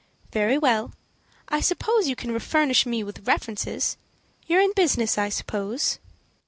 "Very well. I suppose you can furnish me with references. You're in business, I suppose?"